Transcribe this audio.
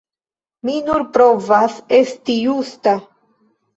Mi nur provas esti justa!